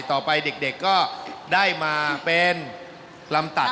ต่อไปเด็กก็ได้มาเป็นลำตัด